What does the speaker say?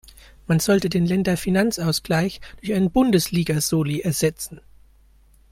Man sollte den Länderfinanzausgleich durch einen Bundesliga-Soli ersetzen.